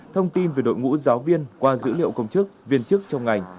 thông tin về đội ngũ giáo viên qua dữ liệu công chức viên chức trong ngành